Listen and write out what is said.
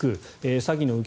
詐欺の受け